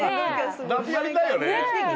脱皮やりたいよね。